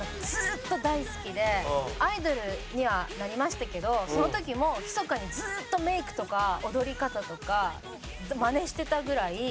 アイドルにはなりましたけどその時もひそかにずっとメイクとか踊り方とかまねしてたぐらい。